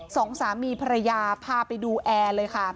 สองสามีภรรยาพาไปดูแอร์เลยค่ะ